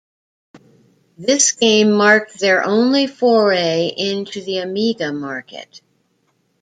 This game marked their only foray into the Amiga market.